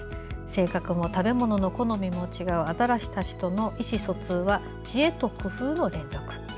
性格も食べ物の好みも違うアザラシたちとの意思疎通は知恵と工夫の連続。